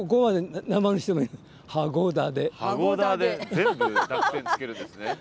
全部濁点つけるんですね。